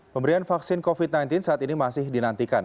pemberian vaksin covid sembilan belas saat ini masih dinantikan